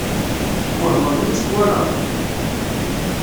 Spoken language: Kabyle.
Twehmeḍ mi tt-twalaḍ?